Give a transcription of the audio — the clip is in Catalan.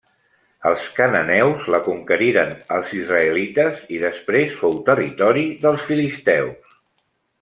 Els cananeus la conqueriren als israelites i després fou territori dels filisteus.